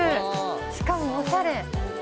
しかもおしゃれ。